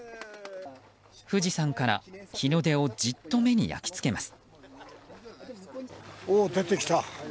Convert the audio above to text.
富士山から日の出をじっと目に焼き付けます。